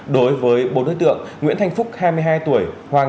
đối với bốn đối tượng nguyễn thanh phúc hai mươi hai tuổi hoàng